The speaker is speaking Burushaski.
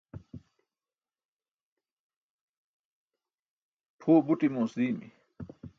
phuwe buṭ imoos diimi